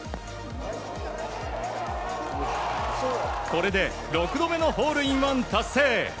これで６度目のホールインワン達成。